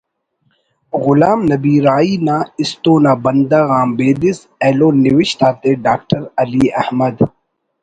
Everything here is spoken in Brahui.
غلام نبی راہی نا ”استو نا بندغ“ آن بیدس ایلو نوشت آتے ڈاکٹر علی احمد